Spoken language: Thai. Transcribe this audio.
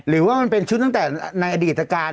หรือว่ามันเป็นชุดตั้งแต่ในอดีตการ